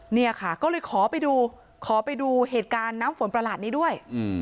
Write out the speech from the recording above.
เนี่ยค่ะก็เลยขอไปดูขอไปดูเหตุการณ์น้ำฝนประหลาดนี้ด้วย